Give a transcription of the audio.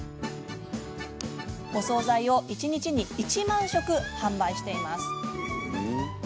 お総菜を一日に１万食販売しています。